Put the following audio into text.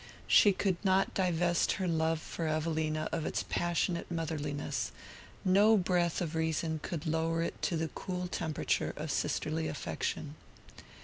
She could not divest her love for Evelina of its passionate motherliness; no breath of reason could lower it to the cool temperature of sisterly affection.